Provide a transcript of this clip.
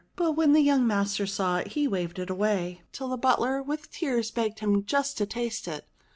But when the young master saw it he waved it away, till the butler with tears begged him just to taste it.